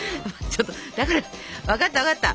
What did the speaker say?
ちょっとだから分かった分かった。